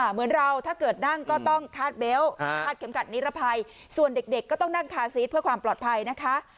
เหมือนเราถ้าเกิดนั่งก็ต้องคาดเบลต์คาดเข็มขัดนิรภัยส่วนเด็กก็ต้องนั่งคาซีสเพื่อความปลอดภัยนะคะ